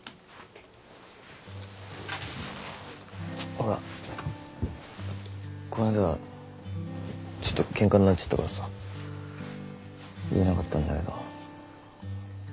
ほらこの間はちょっとケンカになっちゃったからさ言えなかったんだけど。